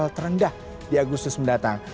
dengan level terendah di agustus mendatang